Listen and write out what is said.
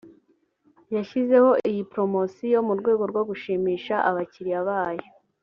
yashyizeho iyi promotion mu rwego rwo gushimisha abakiriya bayo